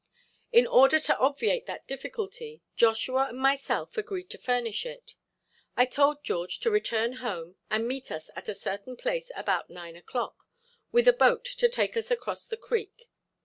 In order to obviate that difficulty Joshua and myself agreed to furnish it. I told George to return home and meet us at a certain place about nine o'clock with a boat to take us across the creek.